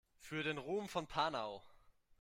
Für den Ruhm von Panau!